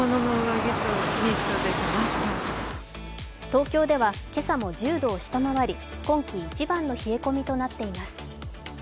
東京では今朝も１０度を下回り、今季一番の冷え込みとなっています。